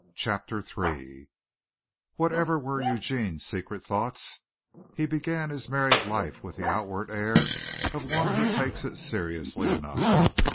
CHAPTER III Whatever were Eugene's secret thoughts, he began his married life with the outward air of one who takes it seriously enough.